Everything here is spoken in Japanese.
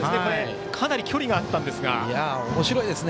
かなり距離があったんですが。